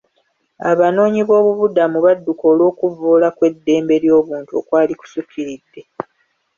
Abanoonyiboobubudamu badduka olw'okuvvoola kw'eddembe ly'obuntu okwali kusukkiridde.